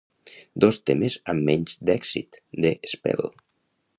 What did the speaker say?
Dos temes amb menys d'èxit, "The Spell!"